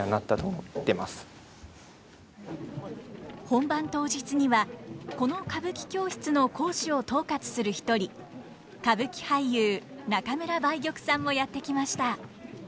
本番当日にはこの歌舞伎教室の講師を統括する一人歌舞伎俳優中村梅玉さんもやって来ました。